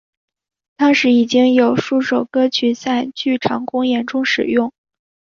当时已经有数首歌曲在剧场公演中使用。